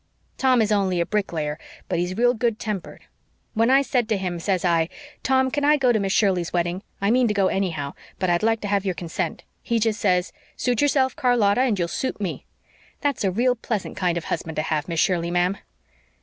Tom is only a bricklayer, but he's real good tempered. When I said to him, says I, 'Tom, can I go to Miss Shirley's wedding? I mean to go anyhow, but I'd like to have your consent,' he just says, 'Suit yourself, Charlotta, and you'll suit me.' That's a real pleasant kind of husband to have, Miss Shirley, ma'am."